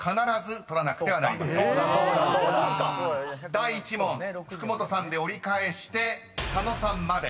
［第１問福本さんで折り返して佐野さんまで］